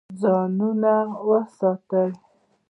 ځانونه وساتئ.